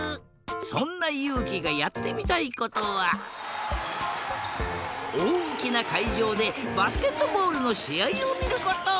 そんなゆうきがやってみたいことはおおきなかいじょうでバスケットボールのしあいをみること。